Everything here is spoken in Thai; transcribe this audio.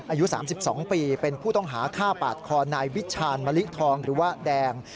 อายุ๓๒ปีเป็นผู้ต้องหาฆ่าปาดคอนายวิชาณมะลิทองหรือว่าแดง